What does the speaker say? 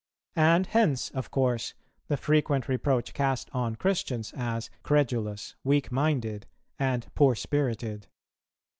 And hence of course the frequent reproach cast on Christians as credulous, weak minded, and poor spirited.